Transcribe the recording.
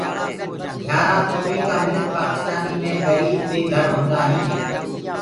گھِيآرآ ڪوميٚ ڪآ منک پآڪِسآنيٚ مي گريب بي گھر هونٚدآ هينٚ